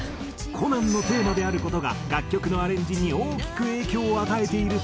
『コナン』のテーマである事が楽曲のアレンジに大きく影響を与えているという。